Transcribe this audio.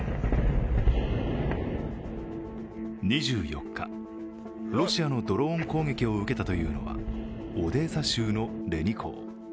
２４日、ロシアのドローン攻撃を受けたというのはオデーサのレニ港。